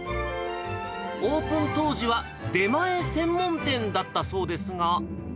オープン当時は出前専門店だったそうですが。